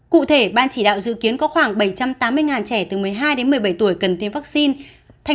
cụ thể ban chỉ đạo dự kiến có khoảng bảy trăm tám mươi trẻ từ một mươi hai đến một mươi bảy tuổi cần tiêm vaccine